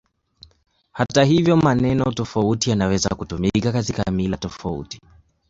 Hata hivyo, maneno tofauti yanaweza kutumika katika mila tofauti.